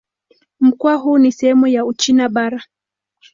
Mkoa huu ni sehemu ya Uchina Bara.